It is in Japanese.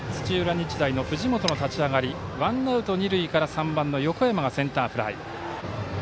日大の藤本の立ち上がりワンアウト、二塁から３番の横山がセンターフライ。